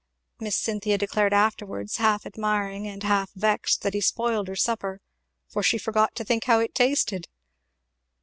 Miss Cynthia declared afterwards, half admiring and half vexed, that he spoiled her supper, for she forgot to think how it tasted.